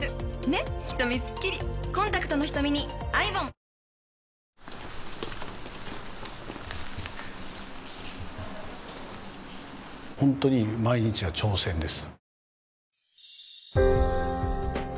１抗菌ホントに毎日が挑戦です